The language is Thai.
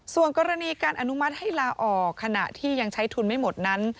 ส่วนกรณีการอนุมัติให้ลาออกขณะที่ยังใช้ทุนไม่หมดนั้น